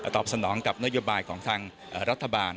ตอบสนองกับนโยบายของทางรัฐบาล